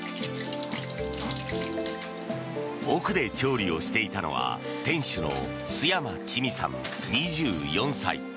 奥で調理をしていたのは店主の陶山智美さん、２４歳。